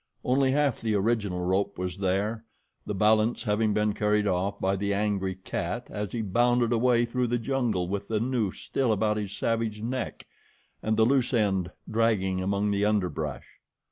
Only half the original rope was there, the balance having been carried off by the angry cat as he bounded away through the jungle with the noose still about his savage neck and the loose end dragging among the underbrush.